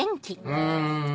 うん。